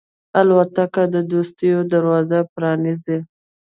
الوتکه د دوستیو دروازې پرانیزي.